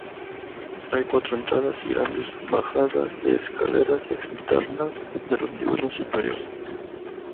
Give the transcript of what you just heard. Hay cuatro entradas y grandes bajadas de escaleras externas de los niveles superiores.